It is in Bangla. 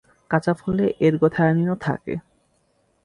কাঁচা ফলে এরগোথায়োনিন-ও থাকে।